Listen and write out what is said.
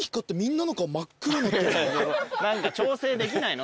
何か調整できないの？